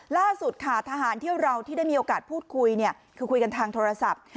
ล่าสุดค่ะทหารที่เราที่ได้มีโอกาสพูดคุยเนี่ยคือคุยกันทางโทรศัพท์